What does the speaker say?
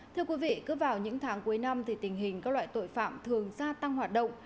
thưa quý vị cứ vào những tháng cuối năm thì tình hình các loại tội phạm thường gia tăng hoạt động